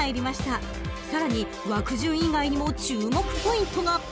［さらに枠順以外にも注目ポイントが］